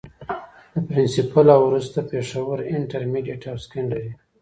د پرنسپل او وروستو پيښورانټرميډيټ او سکنډري